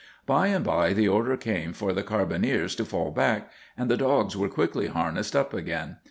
By and by the order came for the carbineers to fall back, and the dogs were quickly harnessed up again.